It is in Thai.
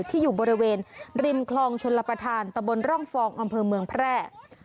ที่อยู่บริเวณริมคลองชนลประธานตะบนร่องฟองอำเภอเมืองแพร่